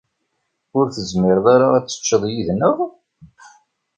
Ur tezmireḍ ara ad teččeḍ yid-neɣ?